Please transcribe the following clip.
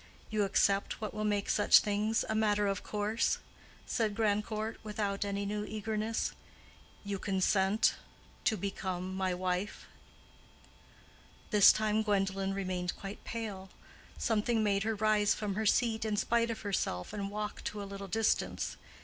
"You accept what will make such things a matter of course?" said Grandcourt, without any new eagerness. "You consent to become my wife?" This time Gwendolen remained quite pale. Something made her rise from her seat in spite of herself and walk to a little distance.